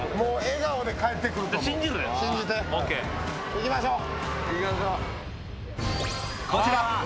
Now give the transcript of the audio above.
行きましょう。